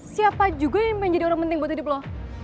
siapa juga yang pengen jadi orang penting buat hidup di pulau